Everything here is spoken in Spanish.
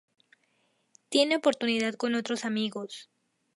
Tiene oportunidad con otros amigos.